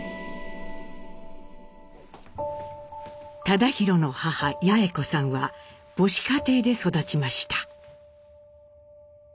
忠宏の母八詠子さんは母子家庭で育ちました。